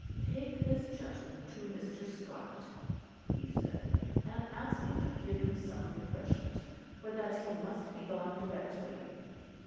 "Take this gentleman to Mr. Scot," he said, "and ask him to give him some refreshment; for that he must be gone directly."